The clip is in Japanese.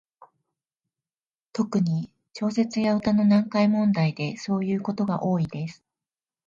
特に、小説や詩の読解問題でそういうことが多いです。